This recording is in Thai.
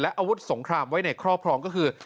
อาวุธสงครามไว้ในครอบครองก็คือ